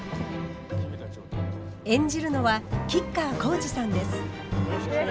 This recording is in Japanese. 演じるのは吉川晃司さんです。